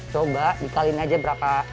coba dikaliin aja berapa